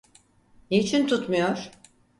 Niçin tutmuyor…